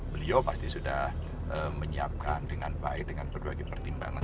beliau pasti sudah menyiapkan dengan baik dengan berbagai pertimbangan